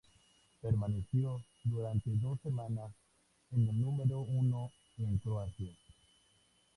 Permaneció durante dos semanas en el número uno en Croacia.